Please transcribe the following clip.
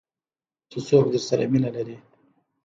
چې څوک درسره مینه لري .